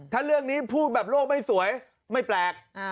ถ้าเรื่องนี้พูดแบบโลกไม่สวยไม่แปลก